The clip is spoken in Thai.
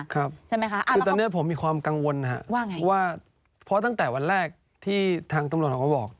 ครับใช่ไหมคะคือตอนเนี้ยผมมีความกังวลฮะว่าไงว่าเพราะว่าตั้งแต่วันแรกที่ทางตำร่วมเขาก็บอก